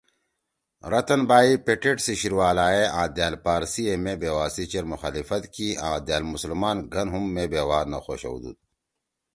رتَن بائی پٹیٹ سی شیِر والا ئے آں دأل پارسی ئے مے بیوا سی چیر مخالفت کی آں دأل مسلمان گھن ہُم مے بیوا نہ خوشودُود